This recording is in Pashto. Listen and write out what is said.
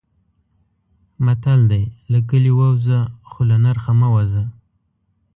متل دی: له کلي ووځه خو له نرخه مه وځه.